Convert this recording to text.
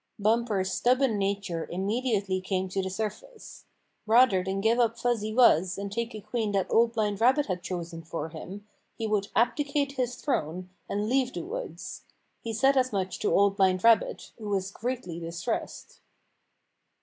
Bumper's stubborn nature immediately came to the surface. Rather than give up Fuzzy Wuzz and take a queen that Old Blind Rabbit had chosen for him, he would abdicate his throne, and leave the woods. He said as much to Old Blind Rabbit, who was greatly distressed.